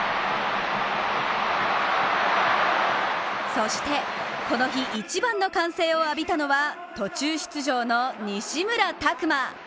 そして、この日一番の歓声を浴びたのは途中出場の西村拓真。